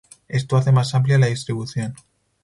Esto hace más amplia la distribución.